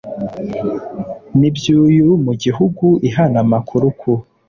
N iby uyu mu gihugu ihana amakuru ku